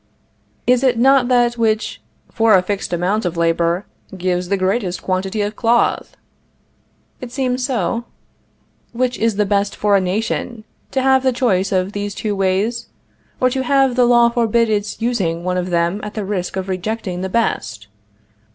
Is it not that which, for a fixed amount of labor, gives the greatest quantity of cloth? It seems so. Which is best for a nation, to have the choice of these two ways, or to have the law forbid its using one of them at the risk of rejecting the best?